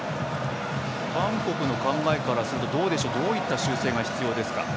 韓国の考えからするとどういった修正が必要ですか？